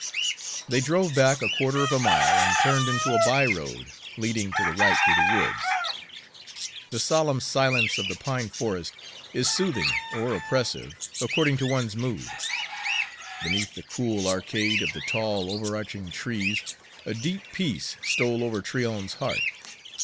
They drove back a quarter of a mile and turned into a by road leading to the right through the woods. The solemn silence of the pine forest is soothing or oppressive, according to one's mood. Beneath the cool arcade of the tall, overarching trees a deep peace stole over Tryon's heart.